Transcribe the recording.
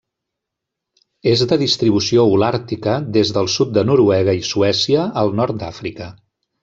És de distribució holàrtica des del sud de Noruega i Suècia al nord d'Àfrica.